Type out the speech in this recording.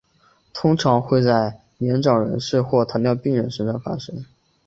通常会在年长人士或糖尿病人身上发生。